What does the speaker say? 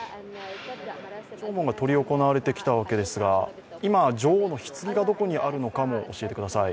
一般弔問が執り行われてきたわけですが、今、女王のひつぎがどこにあるかも教えてください。